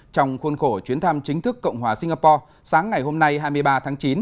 trong khuôn khổ chuyến thăm chính thức cộng hòa singapore sáng ngày hôm nay hai mươi ba tháng chín